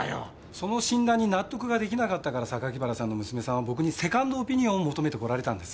その診断に納得が出来なかったから榊原さんの娘さんは僕にセカンドオピニオンを求めてこられたんです。